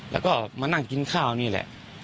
แล้วก็มานั่งกินข้าวนี่แหละ